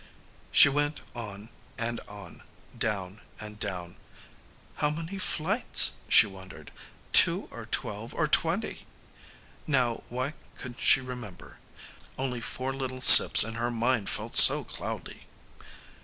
She went on and on, down and down. "How many flights?" she wondered. "Two or twelve or twenty?" Now, why couldn't she remember? Only four little sips and her mind felt so cloudy.